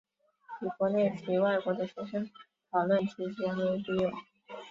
与国内及外国的学生讨论及结为笔友。